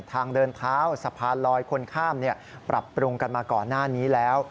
ทางเดินเท้าสะพานลอยคนข้ามปรับปรุงกันมาก่อนหน้านี้แล้ว